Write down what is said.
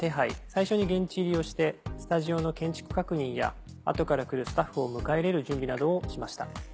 最初に現地入りをしてスタジオの建築確認や後から来るスタッフを迎え入れる準備などをしました。